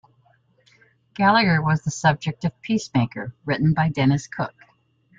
Gallagher was the subject of "Peacemaker", written by Dennis Cooke.